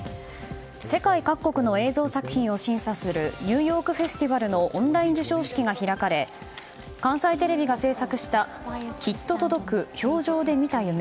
世界各国の映像作品を審査するニューヨーク・フェスティバルのオンライン授賞式が開かれ関西テレビが制作した「きっと届く、氷上で見た夢